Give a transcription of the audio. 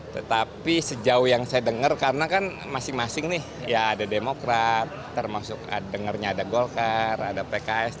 tetapi sejauh yang saya dengar karena kan masing masing nih ya ada demokrat termasuk dengarnya ada golkar ada pks